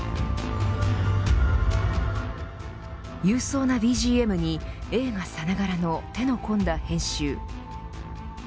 勇壮なＢＧＭに映画さながらの手の込んだ編集。